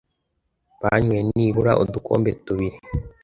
banyweye nibura udukombe tubiri